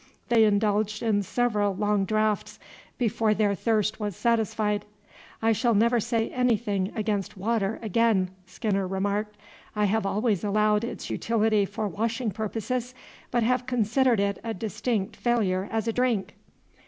They indulged in several long draughts before their thirst was satisfied. "I shall never say anything against water again," Skinner remarked. "I have always allowed its utility for washing purposes, but have considered it a distinct failure as a drink.